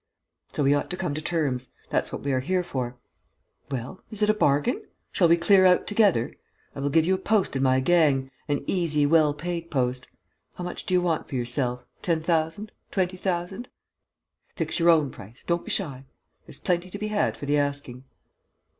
So we ought to come to terms: that's what we are here for. Well? Is it a bargain? Shall we clear out together. I will give you a post in my gang, an easy, well paid post. How much do you want for yourself? Ten thousand? Twenty thousand? Fix your own price; don't be shy. There's plenty to be had for the asking."